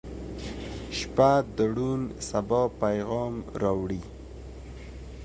• شپه د روڼ سبا پیغام راوړي.